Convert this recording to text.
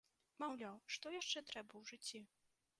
Маўляў, што яшчэ трэба ў жыцці?